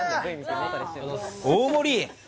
大盛り。